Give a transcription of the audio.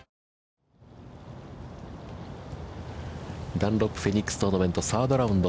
ダンロップフェニックストーナメント、サードラウンド。